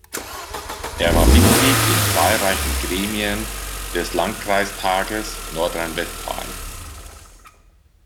Er war Mitglied in zahlreichen Gremien des Landkreistages Nordrhein-Westfalen.